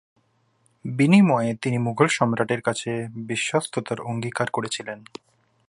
বিনিময়ে, তিনি মুঘল সম্রাটের কাছে বিশ্বস্ততার অঙ্গীকার করেছিলেন।